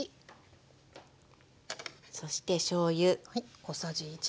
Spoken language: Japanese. そしてしょうゆ。